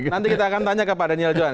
nanti kita akan tanya ke pak daniel johan